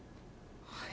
はい。